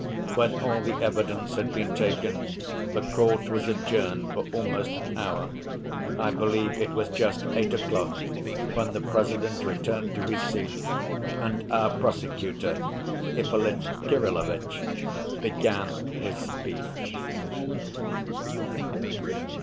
When all the evidence had been taken, the court was adjourned for almost an hour. I believe it was just eight o'clock when the President returned to his seat and our prosecutor, Ippolit Kirillovitch, began his speech.